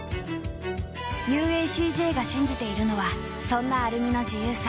ＵＡＣＪ が信じているのはそんなアルミの自由さ。